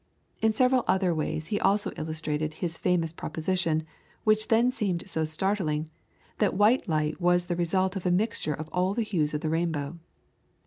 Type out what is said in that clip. In several other ways also he illustrated his famous proposition, which then seemed so startling, that white light was the result of a mixture of all hues of the rainbow.